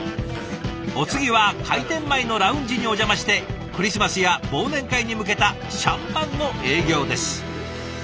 お次は開店前のラウンジにお邪魔してクリスマスや忘年会に向けたシャンパンの営業です。